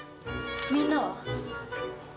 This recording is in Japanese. みんなは？